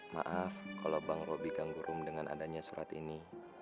maaf kalo bang robi ganggu rom dengan adanya surat ini